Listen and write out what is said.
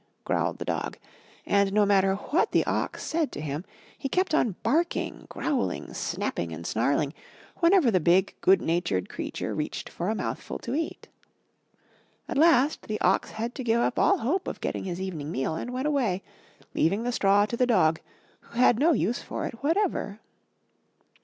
'' growled the Dog, and no matter what the Ox said to him, he kept on barking, growling, snapping and snarling whenever the big, good natured creature reached for a mouthful to eat. At last the Ox had to give up all hope of getting his evening meal and went away, leaving the straw to the Dog who had no use for it whatever.